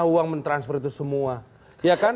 mana uang mentransfer itu semua